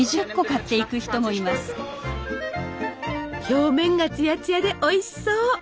表面がツヤツヤでおいしそう！